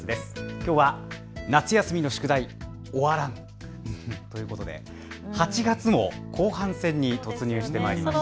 きょうは夏休みの宿題終わらんということで８月も後半戦に突入してまいりました。